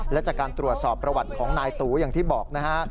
และจากการตรวจสอบประวัติของนายตูอย่างที่บอกนะฮะ